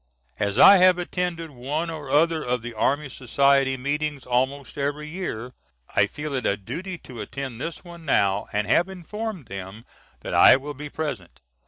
As I have attended one or other of the Army Society meetings almost every year, I feel it a duty to attend this one now and have informed them that I will be present.